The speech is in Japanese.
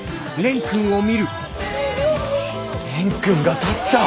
蓮くんが立った！